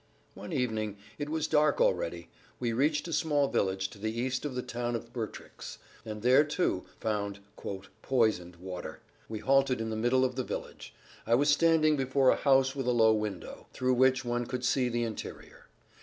One evening—it was dark already—we reached a small village to the east of the town of Bertrix, and there, too, found "poisoned" water. We halted in the middle of the village. I was standing before a house with a low window, through which one could see the interior.